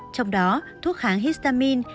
trong đó thuốc kháng histamine